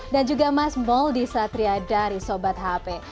dan juga mas mouldi satria dari sobat hp